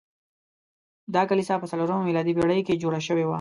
دا کلیسا په څلورمه میلادي پیړۍ کې جوړه شوې وه.